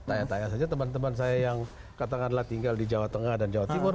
tanya tanya saja teman teman saya yang katakanlah tinggal di jawa tengah dan jawa timur